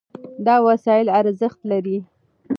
دا وسایل ارزښت لري.